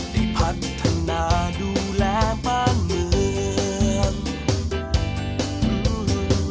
ได้พัฒนาดูแลบ้านเมือง